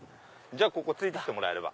ついて来てもらえれば。